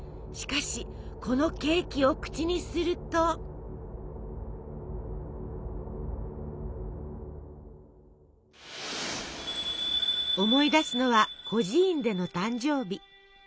しかしこのケーキを口にすると思い出すのは孤児院での誕生日。